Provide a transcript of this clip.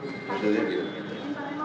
bisa pak bapak boleh diingatkan ke pegangan